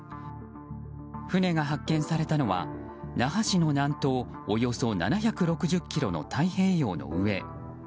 船が発見されたのは那覇市の南東およそ７６０ｋｍの太平洋の上。